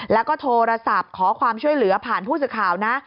แล้วก็โทรศัพท์ขอความช่วยเหลือผ่านผู้สื่อข่าวนะ